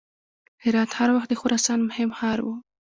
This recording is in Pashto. هرات هر وخت د خراسان مهم ښار و.